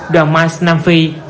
đoàn mice nam phi